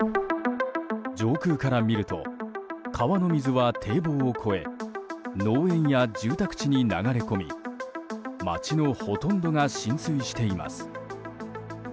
上空から見ると川の水は堤防を越え農園や住宅地に流れ込み街のほとんどが浸水しています。